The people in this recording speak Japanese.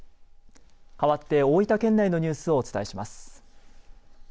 かわって大分県内のニュースをお伝えします。